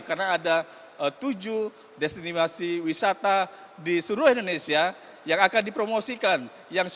karena ada tujuh destinimasi wisata di seluruh indonesia yang akan dipromosikan